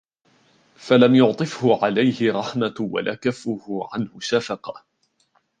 فَلَمْ يُعْطِفْهُ عَلَيْهِ رَحْمَةٌ وَلَا كَفَّهُ عَنْهُ شَفَقَةٌ